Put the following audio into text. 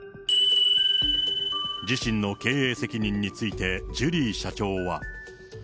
自身の経営責任について、ジュリー社長は。